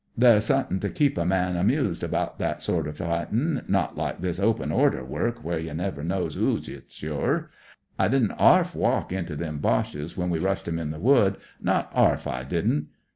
" There's suthin' to keep a man amused abaht that sorter fightmg. Not Ukc this op«i oMer work, where you never knows 'oo 'its yer. I didn't arf walk into them Boches when we rushed 'em in the Wood ; not arf, I didn't.